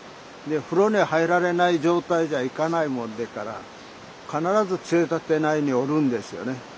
で風呂に入られない状態じゃいかないもんでから必ず杖立内におるんですよね。